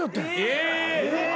え！